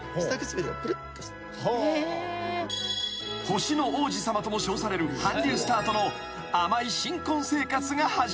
［星の王子様とも称される韓流スターとの甘い新婚生活が始まる］